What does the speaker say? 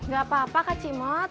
gak apa apa kak cimot